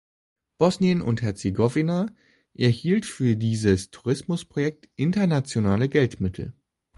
Bosnien und Herzegowina erhielt für dieses Tourismusprojekt internationale Geldmittel.